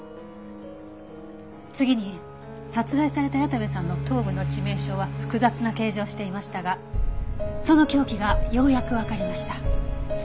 次に殺害された矢田部さんの頭部の致命傷は複雑な形状をしていましたがその凶器がようやくわかりました。